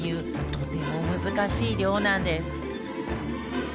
とても難しい漁なんです